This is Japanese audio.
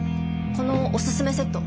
このおすすめセット。